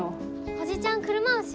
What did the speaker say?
おじちゃん車押し？